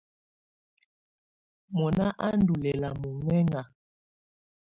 Mɔná á ndɔ lɛ́la mɔŋɛŋa.